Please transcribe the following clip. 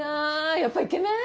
やっぱイケメン？